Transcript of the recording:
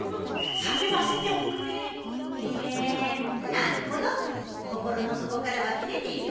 なるほど心の底から湧き出ているわね。